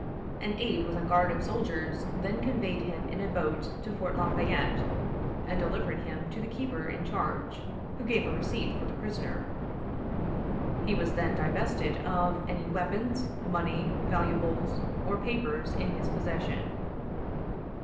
An aid with a guard of soldiers then conveyed him in a boat to Fort Lafayette and delivered him to the keeper in charge, who gave a receipt for the prisoner. He was then divested of any weapons, money, valuables, or papers in his possession.